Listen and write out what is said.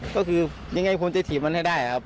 ก็คือยังไงควรจะถีบมันให้ได้ครับ